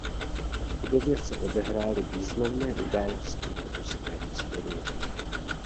V budově se odehrály významné události ruské historie.